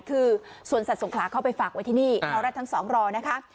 คือสวนสัตว์สงขลาเข้าไปฝากไว้ที่นี่ตอนแรกทั้งสองรอนะคะ